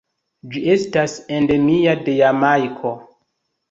Ĝi estas endemia de Jamajko.